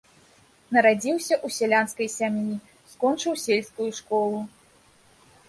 Нарадзіўся ў сялянскай сям'і, скончыў сельскую школу.